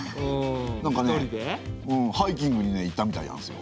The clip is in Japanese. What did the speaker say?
うんハイキングにね行ったみたいなんですよ。